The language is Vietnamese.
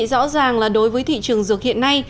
rõ ràng là đối với thị trường dược hiện nay